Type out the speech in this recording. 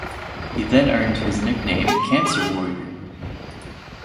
He then earned his nickname "Cancer warrior".